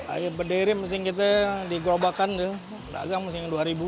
air berdiri mesin kita digerobakan dagang mesin dua ribu